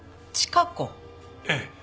ええ。